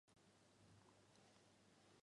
她多了四个妹妹和两个弟弟